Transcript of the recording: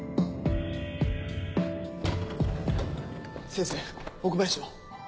先生奥林は。